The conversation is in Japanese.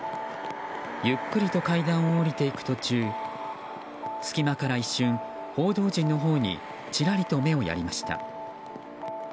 ゆっくりと階段を下りていく途中隙間から一瞬報道陣のほうにちらりと目をやりました。